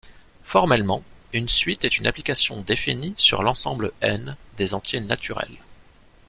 Formellement, une suite est une application définie sur l'ensemble ℕ des entiers naturels.